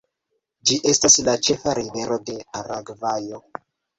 Ĝi estas la ĉefa rivero de Paragvajo.